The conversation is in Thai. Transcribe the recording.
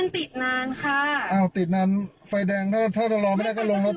ฝ่าไฟเหลืองนะครับ